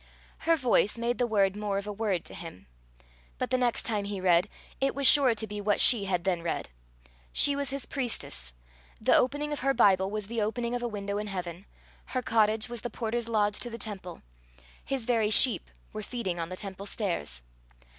Her voice made the word more of a word to him. But the next time he read, it was sure to be what she had then read. She was his priestess; the opening of her Bible was the opening of a window in heaven; her cottage was the porter's lodge to the temple; his very sheep were feeding on the temple stairs.